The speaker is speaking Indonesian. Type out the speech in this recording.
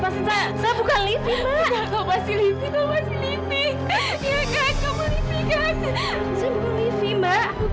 saya bukan livia mak